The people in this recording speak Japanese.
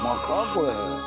これ。